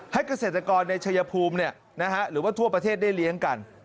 ให้เกษตรกรในชายภูมิเนี่ยนะฮะหรือว่าทั่วประเทศได้เลี้ยงกัน